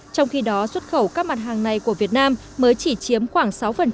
trong khi đó xuất khẩu các mặt hàng này của việt nam mới chỉ chiếm khoảng sáu